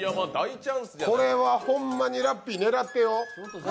これはホンマにラッピー、狙ってよ。